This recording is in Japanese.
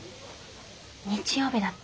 日曜日だって。